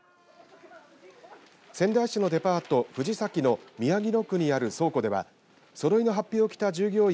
仙台市のデパート藤崎の宮城野区にある倉庫ではそろいのはっぴを着た従業員